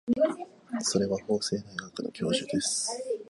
それは法政大学の教授です。